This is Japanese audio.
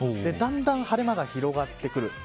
だんだん晴れ間が広がってくる。